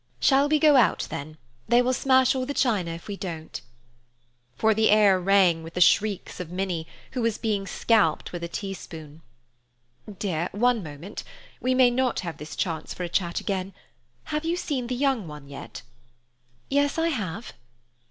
"Shall we go out, then. They will smash all the china if we don't." For the air rang with the shrieks of Minnie, who was being scalped with a teaspoon. "Dear, one moment—we may not have this chance for a chat again. Have you seen the young one yet?" "Yes, I have."